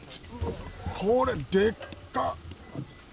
これ、でっか。